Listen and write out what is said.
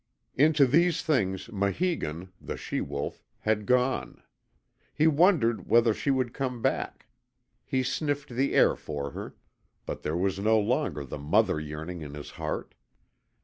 Into these things Maheegun, the she wolf, had gone. He wondered whether she would come back. He sniffed the air for her. But there was no longer the mother yearning in his heart.